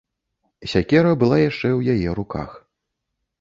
Сякера была яшчэ ў яе руках.